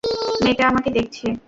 মেয়েটা আমাকে দেখছে।